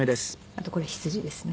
あとこれヒツジですね。